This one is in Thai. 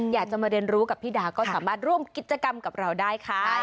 อยากจะมาเรียนรู้กับพี่ดาก็สามารถร่วมกิจกรรมกับเราได้ค่ะ